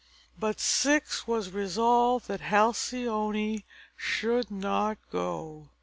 But Ceyx was resolved that Halcyone should not go.